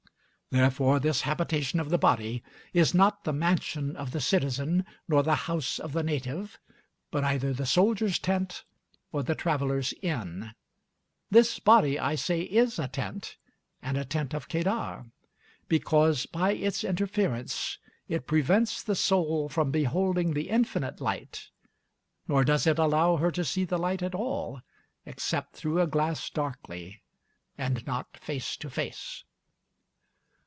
Therefore this habitation of the body is not the mansion of the citizen, nor the house of the native, but either the soldier's tent or the traveler's inn. This body, I say, is a tent, and a tent of Kedar, because, by its interference, it prevents the soul from beholding the infinite light, nor does it allow her to see the light at all, except through a glass darkly, and not face to face.